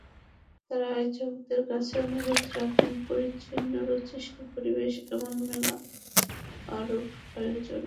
তারা আয়োজকদের কাছে অনুরোধ রাখেন পরিচ্ছন্ন রুচিশীল পরিবেশে এমন মেলা আরও আয়োজনের।